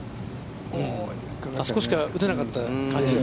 あそこしか打てなかった感じです。